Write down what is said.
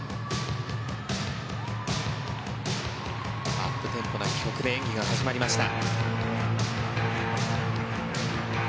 アップテンポな曲で演技が始まりました。